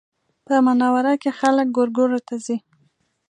په منوره کې خلک ګورګورو ته ځي